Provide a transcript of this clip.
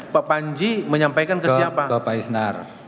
pak panji menyampaikan ke siapa